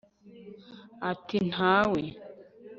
atintawe